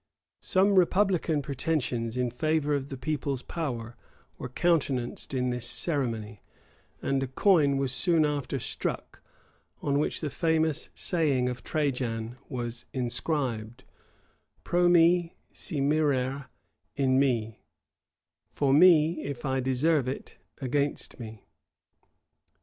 Some republican pretensions, in favor of the people's power, were countenanced in this ceremony;[] and a coin was soon after struck, on which the famous saying of Trajan was inscribed, Pro me; si merear, in me; "For me; if I deserve it, against me."